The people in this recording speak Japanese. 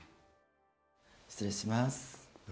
失礼します。